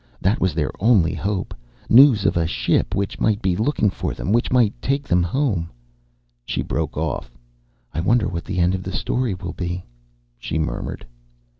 That was their only hope news of a ship which might be looking for them, which might take them home " She broke off. "I wonder what the end of the story will be?" she murmured.